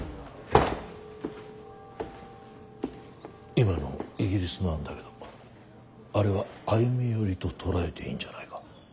今のイギリスの案だけどあれは歩み寄りと捉えていいんじゃないか？